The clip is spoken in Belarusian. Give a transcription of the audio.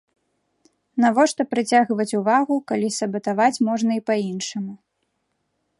Навошта прыцягваць увагу, калі сабатаваць можна і па іншаму.